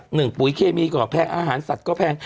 ปุ๋ยเคมีก็แพงอาหารสัตว์ก็แพง